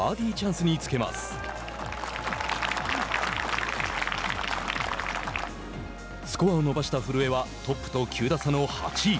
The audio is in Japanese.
スコアを伸ばした古江はトップと９打差の８位。